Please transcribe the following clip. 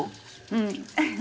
うん。